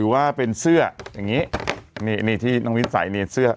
อย่างนี้ที่นางวิ้นใส่เถอะ